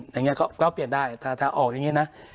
อย่างนี้ก็เปลี่ยนได้ถ้าออกอย่างนี้นะ